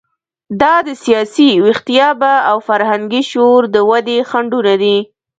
دا د سیاسي ویښتیابه او فرهنګي شعور د ودې خنډونه دي.